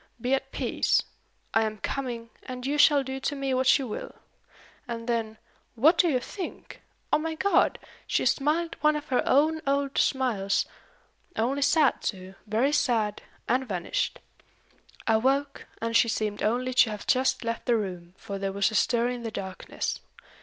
'Be at peace. I am coming; and you shall do to me what you will.' And then what do you think? O my God! she smiled one of her own old smiles, only sad too, very sad, and vanished. I woke, and she seemed only to have just left the room, for there was a stir in the darkness.